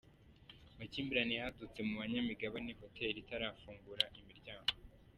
Amakimbirane yadutse mu banyamigane hoteli itarafungura imiryango.